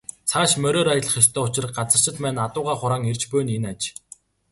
Цааш мориор аялах ёстой учир газарчид маань адуугаа хураан ирж буй нь энэ аж.